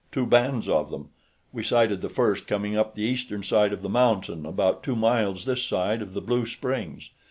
"Two bands of them. We sighted the first coming up the eastern side of the mountain about two miles this side of the Blue Springs.